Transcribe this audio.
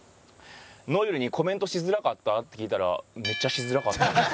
如恵留に「コメントしづらかった？」って聞いたら「めっちゃしづらかったです」